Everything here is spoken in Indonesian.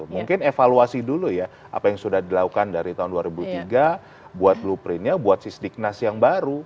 mungkin evaluasi dulu ya apa yang sudah dilakukan dari tahun dua ribu tiga buat blueprintnya buat sisdiknas yang baru